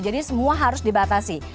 jadi semua harus dibatasi